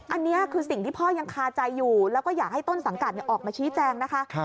อันนี้คือสิ่งที่พ่อยังคาใจอยู่แล้วก็อยากให้ต้นสังกัดออกมาชี้แจงนะคะ